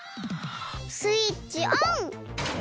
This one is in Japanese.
スイッチオン！